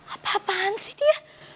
apa apaan sih dia